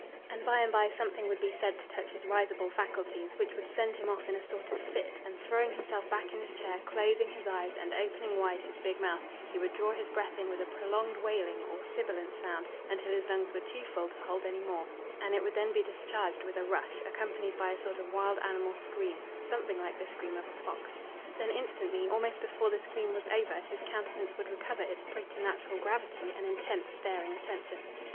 And by and by something would be said to touch his risible faculties, which would send him off in a sort of fit; and throwing himself back in his chair, closing his eyes and opening wide his big mouth he would draw his breath in with a prolonged wailing or sibilant sound until his lungs were too full to hold any more, and it would then be discharged with a rush, accompanied by a sort of wild animal scream, something like the scream of a fox. Then instantly, almost before the scream was over, his countenance would recover its preternatural gravity and intense staring attention.